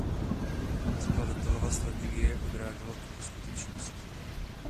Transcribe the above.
Skladatelova strategie odrážela tuto skutečnost.